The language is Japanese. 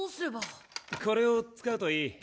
これを使うといい。